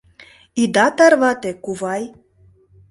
— Ида тарвате, кувай.